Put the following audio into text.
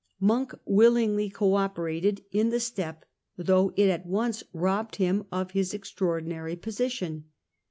Monk willingly co operated in the step, though it at once robbed him of his extraordinary posi tion.